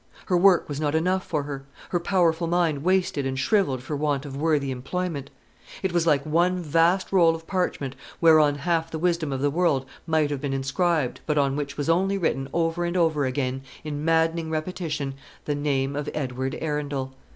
Her work was not enough for her. Her powerful mind wasted and shrivelled for want of worthy employment. It was like one vast roll of parchment whereon half the wisdom of the world might have been inscribed, but on which was only written over and over again, in maddening repetition, the name of Edward Arundel.